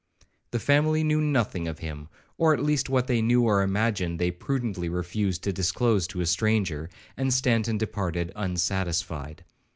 The family knew nothing of him, or at least what they knew or imagined, they prudently refused to disclose to a stranger, and Stanton departed unsatisfied.